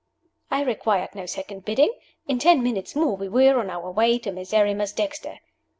I required no second bidding. In ten minutes more we were on our way to Miserrimus Dexter.